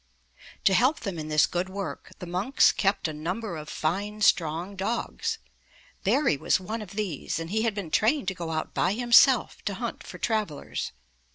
To help them in this good work, the monks kept a number of fine, strong dogs. Barry was one of these, and he had been trained to go out by himself to hunt for travelers.